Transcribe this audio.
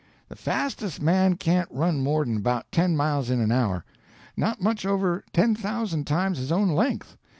The fastest man can't run more than about ten miles in an hour—not much over ten thousand times his own length.